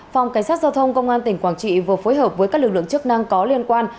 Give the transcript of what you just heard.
phòng cảnh sát giao thông công an tỉnh quảng trị vừa phối hợp với các lực lượng chức năng có liên quan